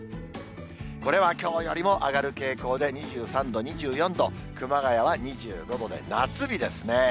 これはきょうよりも上がる傾向で、２３度、２４度、熊谷は２５度で夏日ですね。